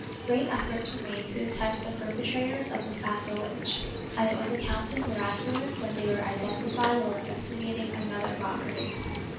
Great efforts were made to detect the per petrators of the sacrilege, and it was accounted miraculous when they were identified while investigating another robbery.